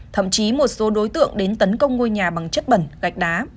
thậm chí một số đối tượng đến tấn công ngôi nhà bằng chất bẩn gạch đá